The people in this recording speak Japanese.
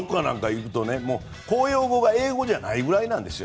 公用語が英語じゃないくらいなんですよ。